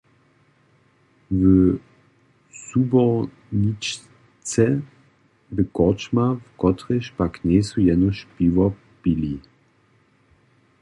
W Zuborničce bě korčma, w kotrejž pak njejsu jenož piwo pili.